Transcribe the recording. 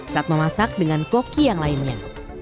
saat memasak dengan koki yang lainnya